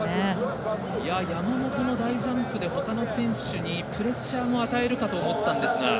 山本の大ジャンプでほかの選手にプレッシャーを与えるかと思ったんですが